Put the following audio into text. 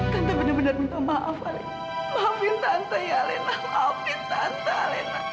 tante benar benar minta maaf alena maafin tante ya alena maafin tante alena